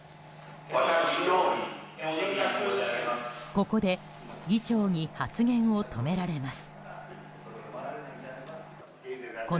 ここで議長に発言を止められます。